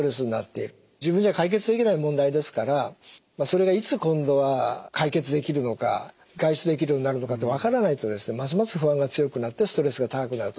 自分じゃ解決できない問題ですからそれがいつ今度は解決できるのか外出できるようになるのかっていうのが分からないとですねますます不安が強くなってストレスが高くなると思いますね。